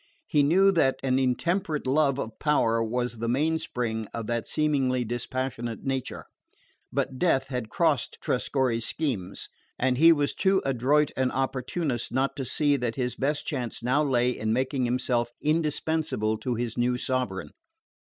He knew that an intemperate love of power was the mainspring of that seemingly dispassionate nature. But death had crossed Trescorre's schemes; and he was too adroit an opportunist not to see that his best chance now lay in making himself indispensable to his new sovereign.